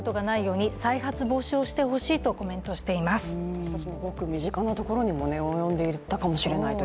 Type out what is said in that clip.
私たちのごく身近なところにも及んでいたかもしれない。